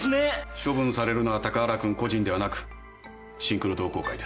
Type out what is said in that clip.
処分されるのは高原君個人ではなくシンクロ同好会です。